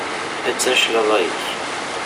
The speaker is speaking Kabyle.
Attan claḍa-ik.